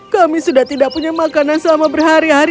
kami sudah tidak punya makanan selama berhari hari